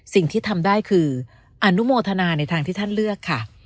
สิ่งที่ทำได้คืออนุโมทนาในทางที่ท่านเลือกค่ะ